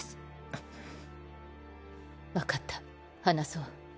んっ分かった話そう。